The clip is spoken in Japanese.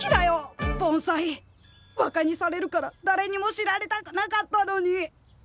バカにされるからだれにも知られたくなかったのに。